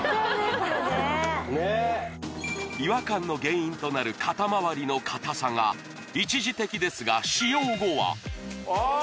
これねねえ違和感の原因となる肩まわりのかたさが一時的ですが使用後はあっ